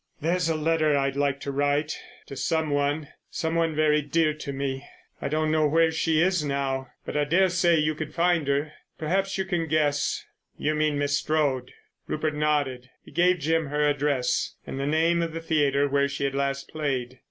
"There's a letter I'd like to write—to some one; some one very dear to me. I don't know where she is now. But I daresay you could find her. Perhaps you can guess——" "You mean Miss Strode?" Rupert nodded. He gave Jim her address and the name of the theatre where she had last played.